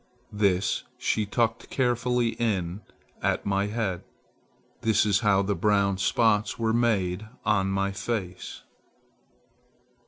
This she tucked carefully in at my head. This is how the brown spots were made on my face."